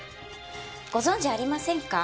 ご存じありませんか？